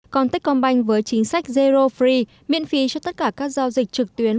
còn techcombank với chính sách zero free miễn phí cho tất cả các giao dịch trực tuyến